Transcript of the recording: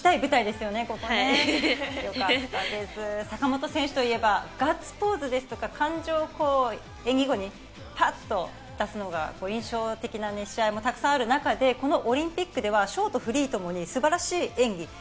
坂本選手といえばガッツポーズですとか、感情を演技後にパッと出すのが印象的な試合がたくさんある中で、このオリンピックではショート、フリーともに素晴らしい演技。